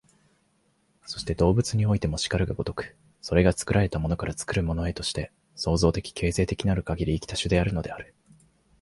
そして動物においても然るが如く、それが作られたものから作るものへとして、創造的形成的なるかぎり生きた種であるのである。